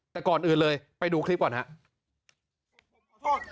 แต่ก่อนอื่นเลยไปดูคลิปก่อนครับ